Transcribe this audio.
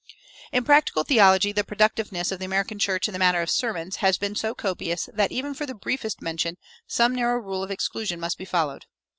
In practical theology the productiveness of the American church in the matter of sermons has been so copious that even for the briefest mention some narrow rule of exclusion must be followed.